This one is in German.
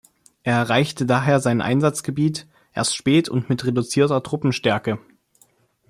Er erreichte daher sein Einsatzgebiet erst spät und mit reduzierter Truppenstärke.